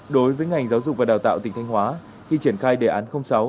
đối với ngành giáo dục và đào tạo tỉnh thanh hóa khi triển khai đề án sáu